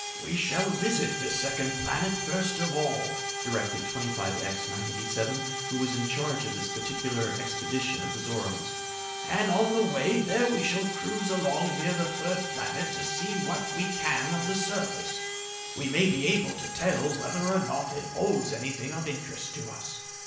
"We shall visit the second planet first of all," directed 25X 987, who was in charge of this particular expedition of the Zoromes, "and on the way there we shall cruise along near the third planet to see what we can of the surface. We may be able to tell whether or not it holds anything of interest to us.